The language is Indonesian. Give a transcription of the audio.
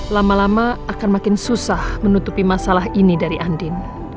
lama lama akan makin susah menutupi masalah ini dari andin